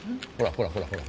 ほらほらほら。